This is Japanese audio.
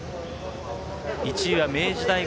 １位は明治大学。